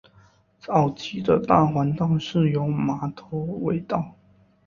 早期的大环道是由马头围道。